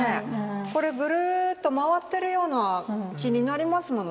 これぐるっと回ってるような気になりますものね。